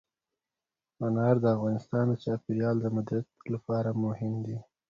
انار د افغانستان د چاپیریال د مدیریت لپاره مهم دي.